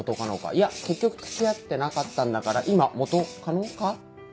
いや結局付き合ってなかったんだから今・元カノか？